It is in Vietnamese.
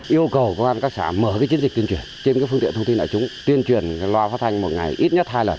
yêu cầu công an các xã mở chiến dịch tuyên truyền trên phương tiện thông tin đại chúng tuyên truyền loa phát thanh một ngày ít nhất hai lần